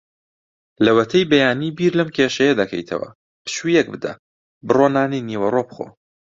لەوەتەی بەیانی بیر لەم کێشەیە دەکەیتەوە. پشوویەک بدە؛ بڕۆ نانی نیوەڕۆ بخۆ.